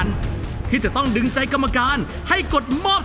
ช่วยฝังดินหรือกว่า